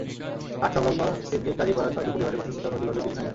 ঘাট-সংলগ্ন সিদ্দিক কাজী পাড়ার ছয়টি পরিবারের বসতভিটাও নদীগর্ভে বিলীন হয়ে যায়।